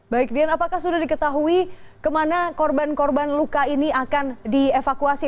baik dian apakah sudah diketahui kemana korban korban luka ini akan dievakuasi